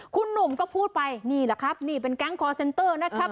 คุณหนุ่มก็พูดไปนี่แหละครับนี่เป็นแก๊งคอร์เซ็นเตอร์นะครับ